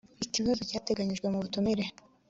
kibazo cyateganyijwe mu butumire